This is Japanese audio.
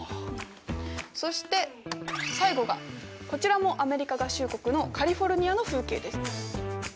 そして最後がこちらもアメリカ合衆国のカリフォルニアの風景です。